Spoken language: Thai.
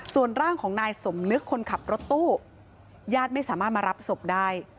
ส่วนร่างของนายสมนึกคนขับรถตู้ญาติไม่สามารถมารับศพได้